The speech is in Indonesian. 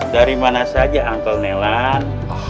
dari mana saja angkle nelan